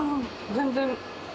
全然。